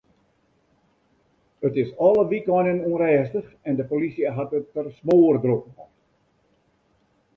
It is alle wykeinen ûnrêstich en de polysje hat it der smoardrok mei.